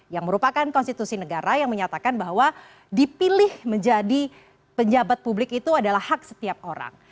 yang merupakan konstitusi negara yang menyatakan bahwa dipilih menjadi penjabat publik itu adalah hak setiap orang